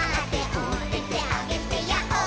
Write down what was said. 「おててあげてヤッホー」